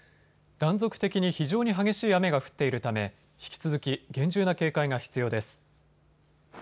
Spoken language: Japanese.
断続的に非常に激しい雨が降っているため引き続き厳重な警戒が必要です。